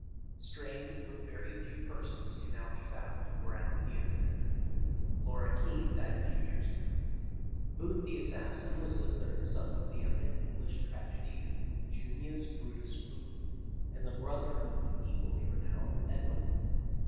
Strange, but very few persons can now be found who were at the theatre that night. Laura Keene died a few years ago. " Booth the assassin was the third son of the emi nent English tragedian Junius Brutus Booth, and the brother of the equally renowned Edwin Booth.